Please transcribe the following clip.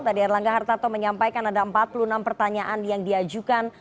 tadi erlangga hartarto menyampaikan ada empat puluh enam pertanyaan yang diajukan